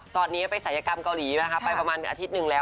ตอนนี้ไปศัยกรรมเกาหลีนะคะไปประมาณอาทิตย์หนึ่งแล้ว